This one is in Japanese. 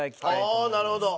ああなるほど。